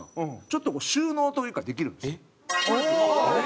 ちょっとこう収納というかできるんですよ。